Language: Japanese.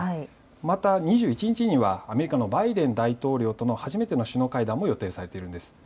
また２１日にはアメリカのバイデン大統領との初めての首脳会談も予定されているんです。